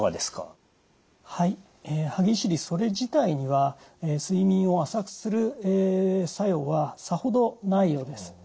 歯ぎしりそれ自体には睡眠を浅くする作用はさほどないようです。